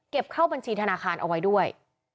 เข้าบัญชีธนาคารเอาไว้ด้วย